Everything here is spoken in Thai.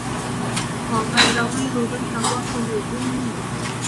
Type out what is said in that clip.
ขออภัยเราไม่รู้ด้วยซ้ำว่าคุณอยู่ที่นี่